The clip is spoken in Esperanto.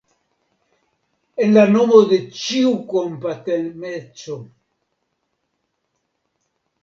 En la nomo de ĉiu kompatemeco!